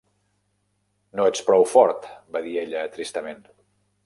"No ets prou fort", va dir ella tristament.